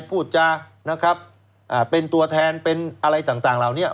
พูดจานะครับเป็นตัวแทนเป็นอะไรต่างเหล่านี้